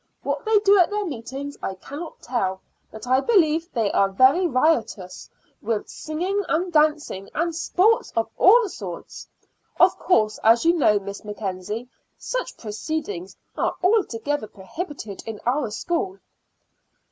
What they do at their meetings I cannot tell, but I believe they are very riotous, with singing and dancing and sports of all sorts. Of course, as you know, Miss Mackenzie, such proceedings are altogether prohibited in our school."